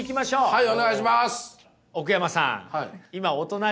はい。